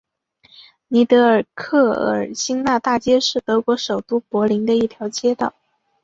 尼德尔克尔新纳大街是德国首都柏林的一条街道。